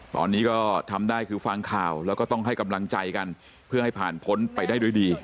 ตอนนี้ให้ฟังข่าวและกำลังใจกันเพื่อให้ผ่านพ้นไปได้ดี